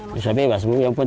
atau bisa bebas saja memukulnya